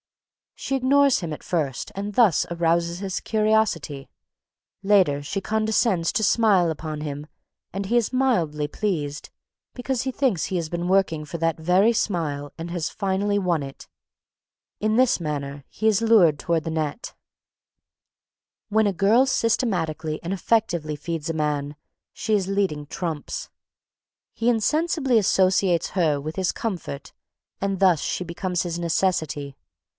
She ignores him at first and thus arouses his curiosity. Later, she condescends to smile upon him and he is mildly pleased, because he thinks he has been working for that very smile and has finally won it. In this manner he is lured toward the net. [Sidenote: The Wise Virgin] When a girl systematically and effectively feeds a man, she is leading trumps. He insensibly associates her with his comfort and thus she becomes his necessity.